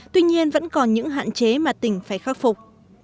tuy nhiên vẫn còn những hạn chế mà tỉnh phải khắc phục